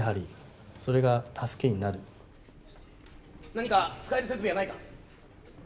何か使える設備はないか？